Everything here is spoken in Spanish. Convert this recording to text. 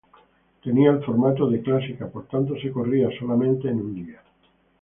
Tenía el formato de clásica, por tanto se corría solamente en un día.